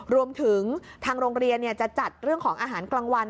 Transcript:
รวมถึงทางโรงเรียนจะจัดเรื่องของอาหารกลางวัน